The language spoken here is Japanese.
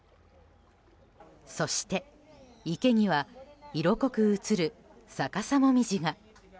そして、池には色濃く映る逆さモミジが。